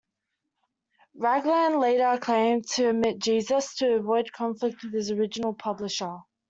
Raglan later claimed to omit Jesus to avoid conflict with his original publisher.